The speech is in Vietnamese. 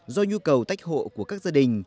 do nhu cầu tách hộ của các gia đình